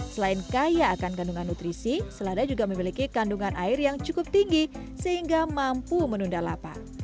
selain kaya akan kandungan nutrisi selada juga memiliki kandungan air yang cukup tinggi sehingga mampu menunda lapak